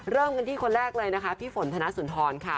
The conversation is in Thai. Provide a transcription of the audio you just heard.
เริ่มกันที่คนแรกเลยนะคะพี่ฝนธนสุนทรค่ะ